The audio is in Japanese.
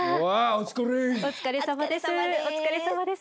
お疲れさまです。